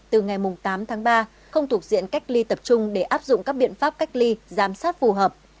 từ ngày tám tháng ba không thuộc diện cách ly tập trung để áp dụng các biện pháp cách ly giám sát phù hợp